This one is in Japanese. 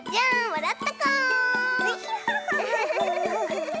わらったかお！